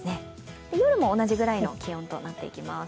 夜も同じくらいの気温となってきます。